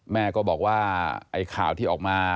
แม่ก็บอกว่าไอ้ข่าวที่ออกมา